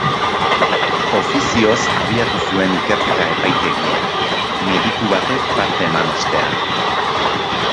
Ofizioz abiatu zuen ikerketa epaitegiak, mediku batek parte eman ostean.